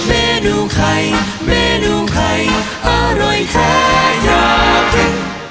เมนูไข่เมนูไข่อร่อยแท้อยากเจ็บ